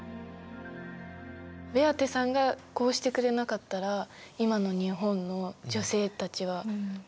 ベアテさんがこうしてくれなかったら今の日本の女性たちは何て言うんだろう